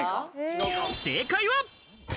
正解は。